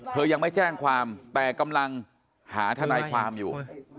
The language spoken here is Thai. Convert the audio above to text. ยังไม่แจ้งความแต่กำลังหาทนายความอยู่